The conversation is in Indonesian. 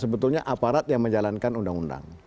sebetulnya aparat yang menjalankan undang undang